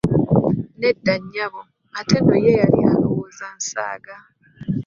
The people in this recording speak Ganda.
Nedda nyabo, ate nno ye yali alowooza nsaaga.